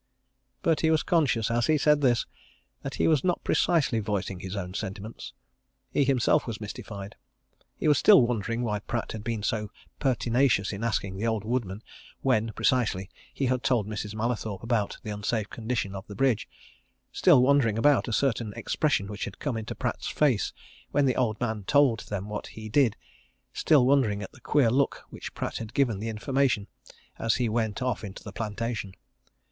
But he was conscious, as he said this, that he was not precisely voicing his own sentiments. He himself was mystified. He was still wondering why Pratt had been so pertinacious in asking the old woodman when, precisely, he had told Mrs. Mallathorpe about the unsafe condition of the bridge still wondering about a certain expression which had come into Pratt's face when the old man told them what he did still wondering at the queer look which Pratt had given the information as he went off into the plantation.